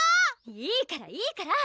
いいからいいから！